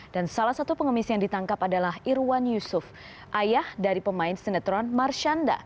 dan salah satu pengemis yang ditangkap adalah irwan yusuf ayah dari pemain sinetron marsyanda